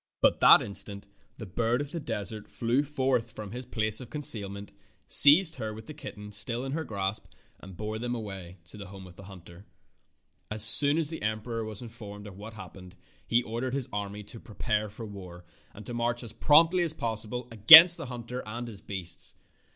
But that instant the bird of the desert flew forth from his 100 Fairy Tale Foxes place of concealment, seized her with the kitten still in her grasp, and bore them away to the home of the hunter. As soon as the emperor was informed of what had happened, he ordered his army to prepare for war and to march as promptly as possible against the hunter and his beasts.